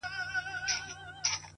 لوستل ذهن پراخوي،